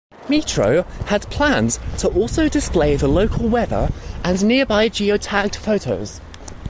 Meetro had planned to also display the local weather and nearby geotagged photos.